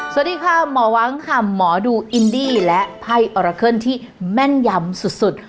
สวัสดีค่ะหมอว้างค่ะหมอดูอินดี้และไพ้อราเคิลที่แม่นยำสุด